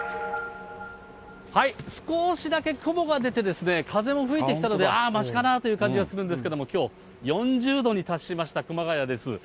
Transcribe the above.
少しだけ雲が出て、風も吹いてきたので、ああ、ましかなという感じがするんですけれども、きょう４０度に達しました、熊谷です。